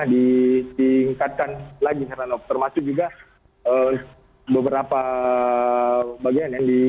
ditingkatkan lagi pak ranof termasuk juga beberapa bagian yang disediakan